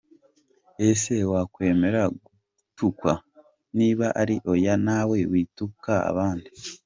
Ese wakwemera gutukwa? Niba ari oya, nawe wituka abandi.